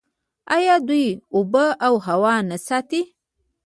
آیا دوی اوبه او هوا نه ساتي؟